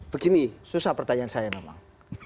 begini susah pertanyaan saya memang